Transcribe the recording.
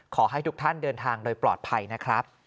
ขอให้ทุกท่านเดินทางโดยปลอดภัยนะครับ